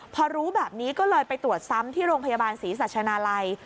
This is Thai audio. พอรู้แบบนี้ก็เลยไปตรวจซ้ำที่โรงพยาบาลศรีสัชนาลัย